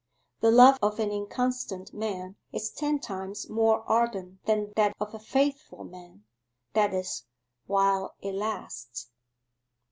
The love of an inconstant man is ten times more ardent than that of a faithful man that is, while it lasts.